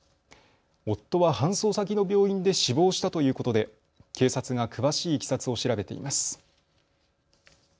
夫は搬送先の病院で死亡したということで警察が詳しいいきさつを調べています。